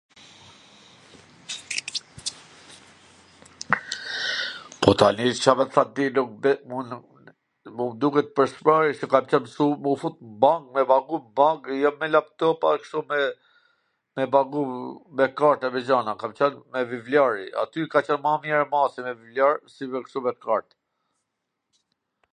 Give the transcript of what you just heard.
po tani Ca me t than ti, un nuk, mu m duket pwr s mbari, se kam qwn msu m u fut n bank, me pagu n bank, jo me lap topa e kshtu me, me pagu me kart edhe gjana, kam qwn me vivliario,... aty ka qwn ma mir mase me vivliar si dhe kshu me kart